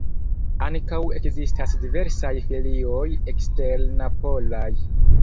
Ankaŭ ekzistas diversaj filioj eksternapolaj.